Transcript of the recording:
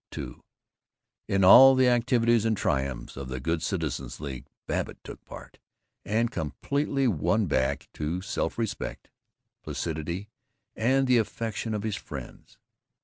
II In all the activities and triumphs of the Good Citizens' League Babbitt took part, and completely won back to self respect, placidity, and the affection of his friends.